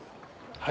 はい。